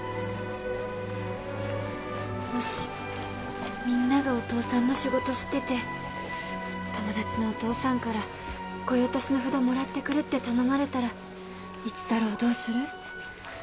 もしみんながお父さんの仕事知ってて友達のお父さんから御用達の札もらってくれって頼まれたら一太郎どうする？